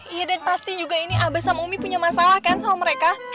iya dan pasti juga ini abah sama umi punya masalah kan sama mereka